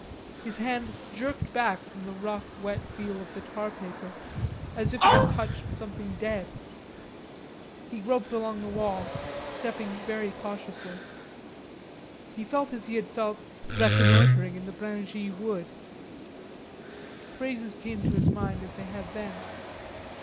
His hand jerked back from the rough wet feel of the tar paper, as if it had touched something dead. He groped along the wall, stepping very cautiously. He felt as he had felt reconnoitering in the Bringy Wood. Phrases came to his mind as they had then.